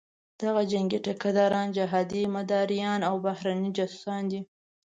دغه جنګي ټیکه داران، جهادي مداریان او بهرني جاسوسان دي.